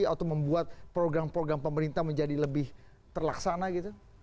atau membuat program program pemerintah menjadi lebih terlaksana gitu